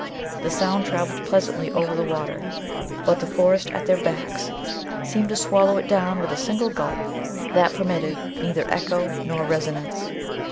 The sound traveled pleasantly over the water, but the forest at their backs seemed to swallow it down with a single gulp that permitted neither echo nor resonance.